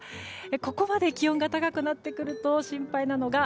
ここまで気温が高くなってくると心配なのが。